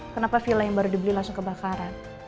kenapa villa yang baru dibeli langsung kebakaran